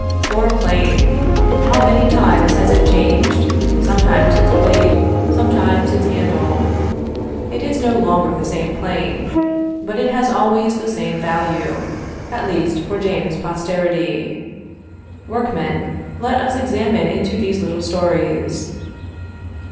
Poor plane! how many times has it changed, sometimes its blade, sometimes its handle. It is no longer the same plane, but it has always the same value, at least for James' posterity. Workmen! let us examine into these little stories.